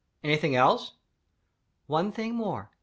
Anything else?" "One thing more.